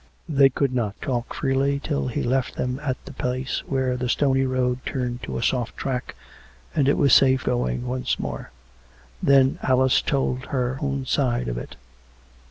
They could not talk freely till he left them at the place where the stony road turned to a soft track, and it was safe going once more. Then Alice told her own side of it.